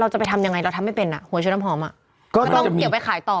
จะไปทำยังไงเราทำไม่เป็นอ่ะหัวเชื้อน้ำหอมอ่ะก็ต้องเก็บไปขายต่อ